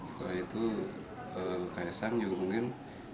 setelah itu kaisang juga mungkin